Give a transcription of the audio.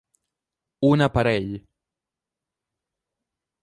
Un aparell.